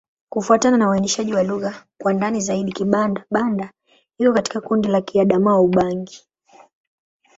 Kufuatana na uainishaji wa lugha kwa ndani zaidi, Kibanda-Banda iko katika kundi la Kiadamawa-Ubangi.